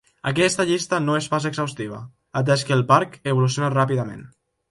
Aquesta llista no és pas exhaustiva, atès que el parc evoluciona ràpidament.